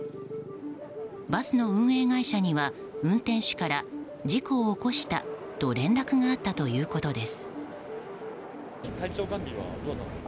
バスの運営会社には運転手から事故を起こしたと連絡があったということです。